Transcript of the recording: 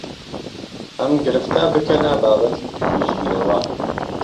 ئهم گرفته بکهنه بابهتی تویژینهوه